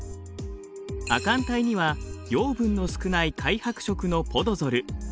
亜寒帯には養分の少ない灰白色のポドゾル。